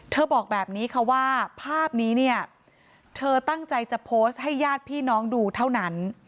บอกแบบนี้ค่ะว่าภาพนี้เนี่ยเธอตั้งใจจะโพสต์ให้ญาติพี่น้องดูเท่านั้น